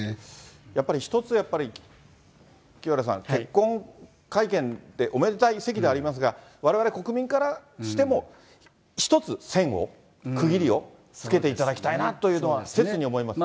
やっぱり一つ、やっぱり清原さん、結婚会見っておめでたい席ではありますが、われわれ国民からしても、一つ線を、区切りをつけていただきたいなというのは、切に思いますね。